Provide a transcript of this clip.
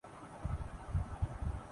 جہاں یہ جانور